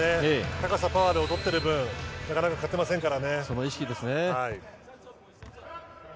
高さ、パワーで劣っている分なかなか勝てませんから。